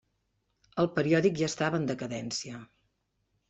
El periòdic ja estava en decadència.